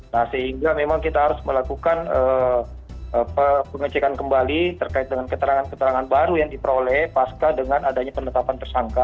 nah sehingga memang kita harus melakukan pengecekan kembali terkait dengan keterangan keterangan baru yang diperoleh pasca dengan adanya penetapan tersangka